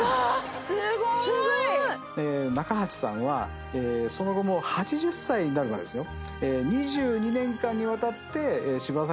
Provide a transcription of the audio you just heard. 中鉢さんはその後も８０歳になるまでですよ。